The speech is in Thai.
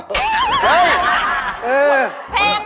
เนี่ย